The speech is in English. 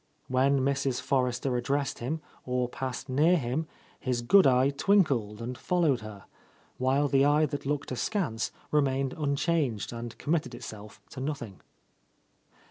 When Mrs. Forrester addressed him, or passed near him, his good eye twinkled and followed her, — ^while the eye that looked askance remained unchanged and com mitted itself to nothing.